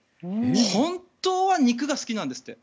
本当は肉が好きなんですって。